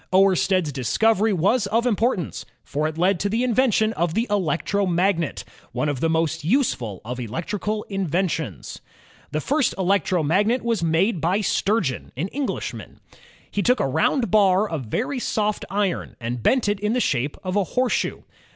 Oersted's discovery was of importance, for it led to the invention of the electromagnet, one of the most useful of electrical inventions. The first electromagnet was made by Sturgeon, an Enghshman. He took a round bar of very soft iron and bent it in the shape ki^cteomaoket of a horseshoe.